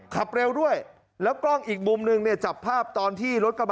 ขับเร็วด้วยแล้วกล้องอีกมุมนึงเนี่ยจับภาพตอนที่รถกระบะ